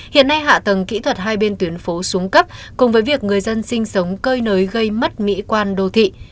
hiện nay hạ tầng kỹ thuật hai bên tuyến phố xuống cấp cùng với việc người dân sinh sống cơi nới gây mất mỹ quan đô thị